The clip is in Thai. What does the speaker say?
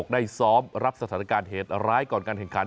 ได้ซ้อมรับสถานการณ์เหตุร้ายก่อนการแข่งขัน